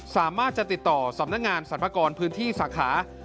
สามารถจะติดต่อสำนักงานสรรพากรพื้นที่สาขา